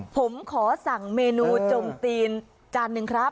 ผมขอสั่งเมนูจมตีนจานหนึ่งครับ